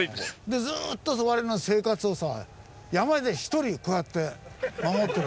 でずっと我々の生活をさ山で一人こうやって守ってるんです。